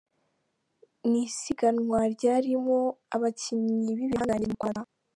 Ni isiganwa ryarimo abakinnyi b’ibihangange mu Rwanda.